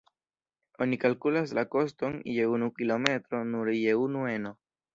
Oni kalkulas la koston je unu kilometro nur je unu eno.